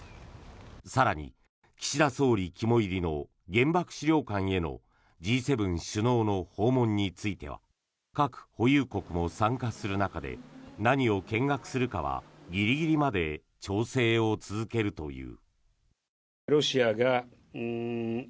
更に、岸田総理肝煎りの原爆資料館へのＧ７首脳の訪問については核保有国も参加する中で何を見学するかはギリギリまで調整を続けるという。